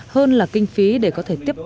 hơn là kinh phí để có thể giải quyết